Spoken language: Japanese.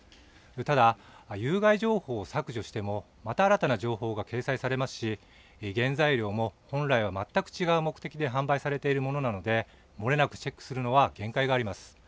ただ、有害情報を削除してもまた新たな情報が掲載されますし原材料も本来は全く違う目的で販売されているものなので漏れなくチェックするのは限界があります。